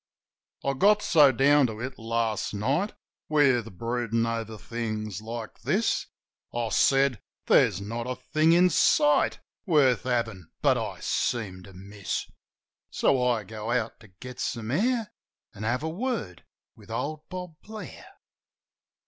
I get so down to it last night. With broodin' over things like this, I said "There's not a thing in sight Worth havin' but I seem to miss." So I go out to get some air An' have a word with old Bob Blair.